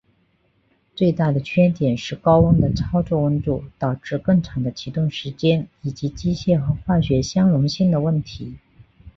最大的缺点是高温的操作温度导致更长的启动时间以及机械和化学相容性的问题。